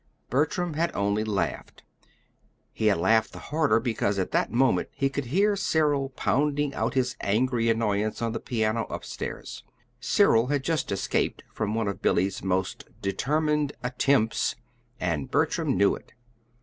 Bertram had only laughed. He had laughed the harder because at that moment he could hear Cyril pounding out his angry annoyance on the piano upstairs Cyril had just escaped from one of Billy's most determined "attempts," and Bertram knew it.